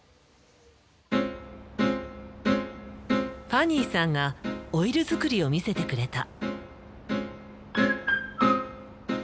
ファニーさんがオイル作りを見せてくれた。